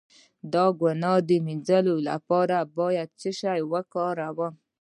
د ګناه د مینځلو لپاره باید څه شی وکاروم؟